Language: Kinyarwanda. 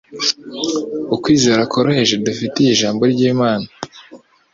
ukwizera koroheje dufitiye ijambo ry’Imana.